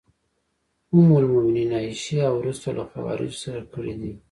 ام المومنین عایشې او وروسته له خوارجو سره کړي دي.